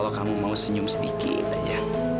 kalau kamu mau senyum sedikit aja